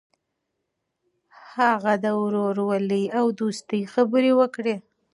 هغه د ورورولۍ او دوستۍ خبرې وکړې.